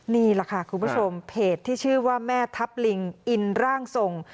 นี่แหละค่ะคุณผู้ชมเพจที่ชื่อว่าแม่ทัพลิงอินร่างทรง